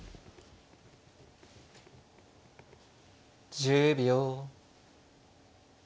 １０秒。